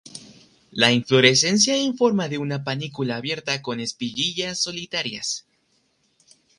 La inflorescencia en forma de una panícula abierta con espiguillas solitarias.